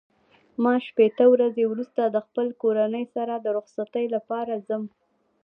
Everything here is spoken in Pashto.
ما شپېته ورځې وروسته د خپل کورنۍ سره د رخصتۍ لپاره ځم.